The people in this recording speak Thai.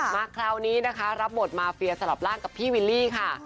มาคราวนี้นะคะรับบทมาเฟียสลับร่างกับพี่วิลลี่ค่ะ